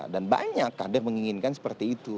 dan banyak kandang menginginkan seperti itu